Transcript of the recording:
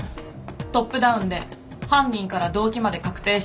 トップダウンで犯人から動機まで確定している案件。